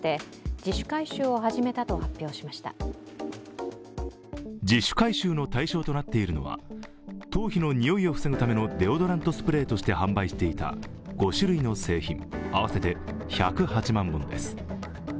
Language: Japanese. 自主回収の対象となっているのは頭皮のにおいを防ぐためのデオドラントスプレーとして販売していた５種類の製品、合わせて１０８万本です。